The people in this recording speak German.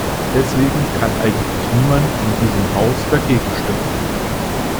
Deswegen kann eigentlich niemand in diesem Haus dagegen stimmen.